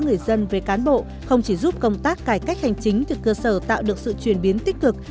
người dân với cán bộ không chỉ giúp công tác cải cách hành chính từ cơ sở tạo được sự chuyển biến tích cực